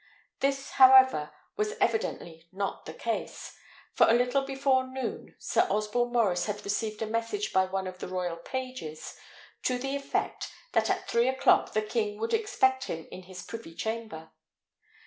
This, however, was evidently not the case; for a little before noon Sir Osborne Maurice had received a message by one of the royal pages, to the effect that at three o'clock the king would expect him in his privy chamber.